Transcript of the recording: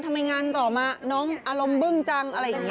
ทำไมงานต่อมาน้องอารมณ์บึ้งจังอะไรอย่างนี้